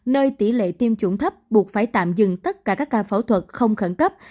nơi tỷ lệ tiêm chủng thấp buộc phải tạm dừng tất cả các ca phẫu thuật không khẩn cấp